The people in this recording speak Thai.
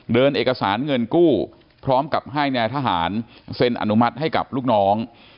เอกสารเงินกู้พร้อมกับให้แนวทหารเซ็นอนุมัติให้กับลูกน้อง